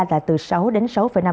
là từ sáu đến sáu năm